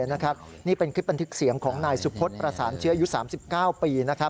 นี่เป็นคลิปบันทึกเสียงของนายสุพธิ์ประสานเชื้ออายุ๓๙ปี